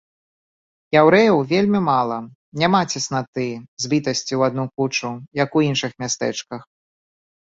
Яўрэяў вельмі мала, няма цеснаты, збітасці ў адну кучу, як у іншых мястэчках.